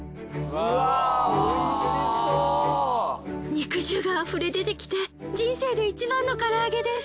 肉汁が溢れ出てきて人生でいちばんの唐揚げです。